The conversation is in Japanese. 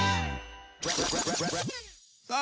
さあ